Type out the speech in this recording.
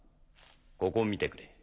ここを見てくれ。